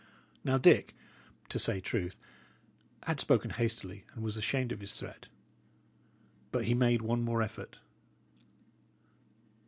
Now, Dick, to say truth, had spoken hastily, and was ashamed of his threat. But he made one more effort.